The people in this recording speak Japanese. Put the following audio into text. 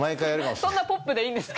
そんなポップでいいんですか？